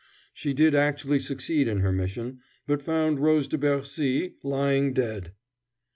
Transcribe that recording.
She did actually succeed in her mission, but found Rose de Bercy lying dead.